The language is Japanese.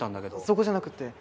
そこじゃなくて